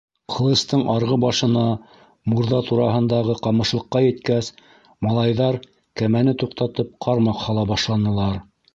Ҡылыстың арғы башына, мурҙа тураһындағы ҡамышлыҡҡа еткәс, малайҙар, кәмәне туҡтатып, ҡармаҡ һала башланылар.